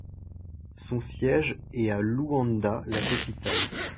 Son siège est à Luanda, la capitale.